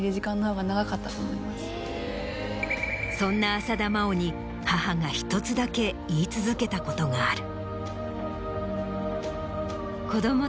そんな浅田真央に母が１つだけ言い続けたことがある。